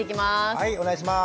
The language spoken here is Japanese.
はいお願いします。